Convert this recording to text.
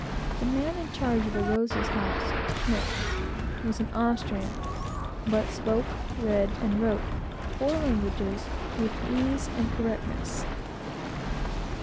The man in charge of the Rosa's house was an Austrian by birth, but spoke, read, and wrote four languages with ease and correctness.